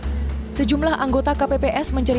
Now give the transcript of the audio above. bahwa mereka tidak bisa mencari penyelenggara pemilu